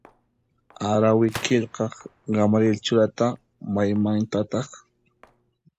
Harawi qillqaq Gamaliel Churata maymantataq?